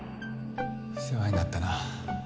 世話になったな。